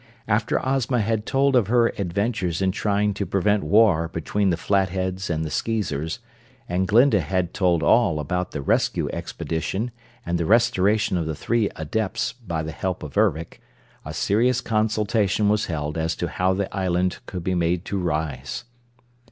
After Ozma had told of her adventures in trying to prevent war between the Flatheads and the Skeezers, and Glinda had told all about the Rescue Expedition and the restoration of the three Adepts by the help of Ervic, a serious consultation was held as to how the island could be made to rise.